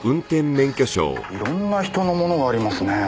いろんな人のものがありますねえ。